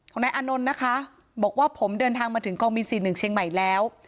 นายอานนท์นะคะบอกว่าผมเดินทางมาถึงกองบิน๔๑เชียงใหม่แล้ว